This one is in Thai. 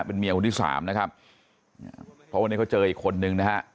เป็นเมียคนที่สามนะครับเพราะวันนี้เขาเจออีกคนนึงนะฮะ